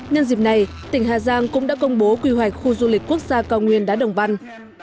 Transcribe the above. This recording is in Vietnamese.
nhân dịp này tỉnh hà giang cũng đã công bố quy hoạch khu du lịch quốc gia cao nguyên đá đồng văn